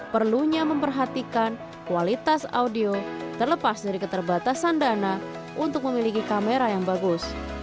perlunya memperhatikan kualitas audio terlepas dari keterbatasan dana untuk memiliki kamera yang bagus